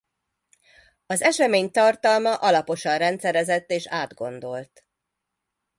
Az esemény tartalma alaposan rendszerezett és átgondolt.